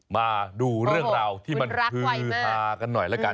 มาดูเรื่องราวที่มันฮือฮากันหน่อยแล้วกัน